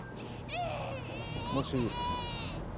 ・もし。